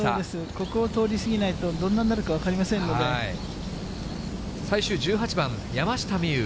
ここを通り過ぎないと、どんなんになるか分からな最終１８番、山下美夢有。